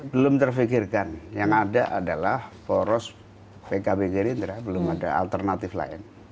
belum terfikirkan yang ada adalah poros pkb gerindra belum ada alternatif lain